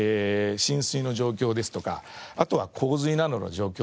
浸水の状況ですとかあとは洪水などの状況をですね